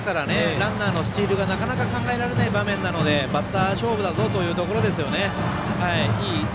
ランナーのスチールがなかなか考えられない場面なのでバッター勝負だぞというところですよね。